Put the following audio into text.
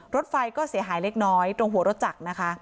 รถไฟก็เสียหายเล็กน้อยตรงหัวรถจักรนะคะ